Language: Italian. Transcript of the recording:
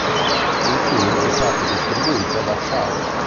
Il film è stato distribuito da Shout!